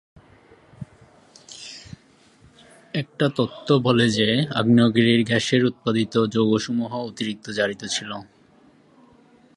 একটি তত্ত্ব বলে যে, আগ্নেয়গিরির গ্যাসের উৎপাদিত যৌগসমূহ অতিরিক্ত জারিত ছিল।